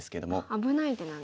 危ない手なんですね。